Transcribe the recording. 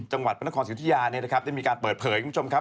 จังหวัดพระนครสิทธิยาได้มีการเปิดเผยคุณผู้ชมครับ